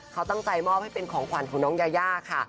เขาตั้งใจมอบให้เป็นของขวัญของน้องยายาค่ะ